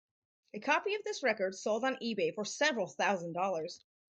A copy of this record sold on eBay for several thousand dollars.